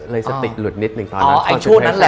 เลยสติกหลุดนิดนึงตอนนั้น